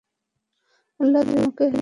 আল্লাহ তোমাকে হেফাজত করবেন।